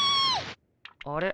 あれ？